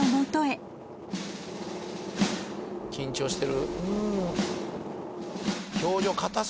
緊張してる？